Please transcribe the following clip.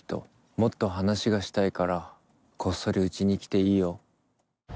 もっと話がしたいからこっそりうちに来ていいよ。